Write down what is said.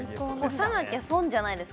干さなきゃ損じゃないですか。